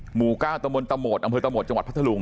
หมู่๙ตะมนตะโหมดอำเภอตะโดดจังหวัดพัทธลุง